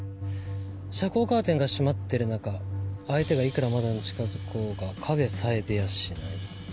遮光カーテンが閉まってる中相手がいくら窓に近づこうが影さえ出やしない。